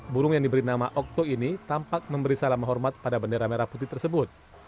burung yang diberi nama okto ini tampak memberi salam hormat pada bendera merah putih tersebut